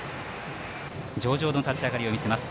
上々の立ち上がりを見せます。